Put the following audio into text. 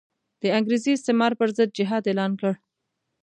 د انګریزي استعمار پر ضد جهاد اعلان کړ.